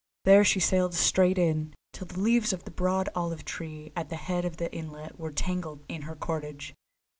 There she sailed straight in, till the leaves of the broad olive tree at the head of the inlet were tangled in her cordage.